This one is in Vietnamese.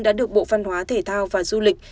đã được bộ văn hóa thể thao và du lịch